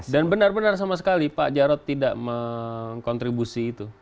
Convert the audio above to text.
dan benar benar sama sekali pak jarod tidak mengkontribusi itu